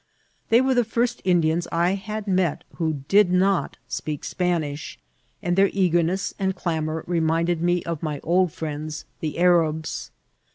They were the first Indians I had met who did not speak Spanish, and their eagerness and clamour reminded me of my old firiends the Arabs.